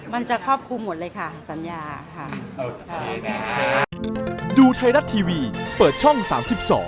มันจะครอบคลุมหมดเลยค่ะสัญญาค่ะ